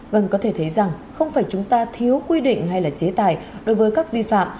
vâng có thể thấy rằng không phải chúng ta thiếu quy định hay là chế tài đối với các vi phạm